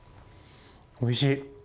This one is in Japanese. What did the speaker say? おいしい！